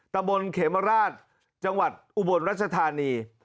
ตำรวจสมภเขมราชจังหวัดอุบลรัชธานี